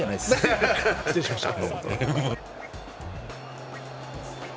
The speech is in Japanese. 失礼しました。